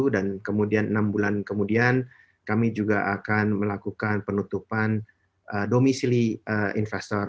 dan kemudian enam bulan kemudian kami juga akan melakukan penutupan domisili investor